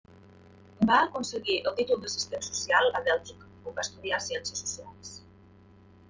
Va aconseguir el títol d'assistent social a Bèlgica, on va estudiar Ciències Socials.